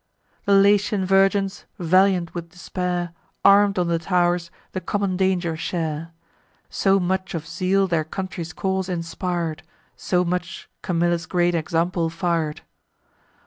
The Latian virgins, valiant with despair, Arm'd on the tow'rs, the common danger share: So much of zeal their country's cause inspir'd; So much Camilla's great example fir'd.